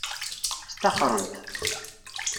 Staxren-t.